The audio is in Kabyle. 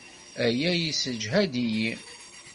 Aya yessejhad-iyi.